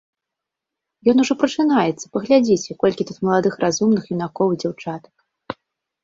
Ён ужо прачынаецца, паглядзіце, колькі тут маладых разумных юнакоў і дзяўчатак.